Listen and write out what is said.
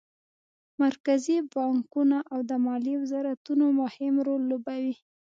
مرکزي بانکونه او د مالیې وزارتونه مهم رول لوبوي